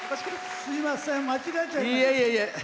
すいません、間違えちゃった。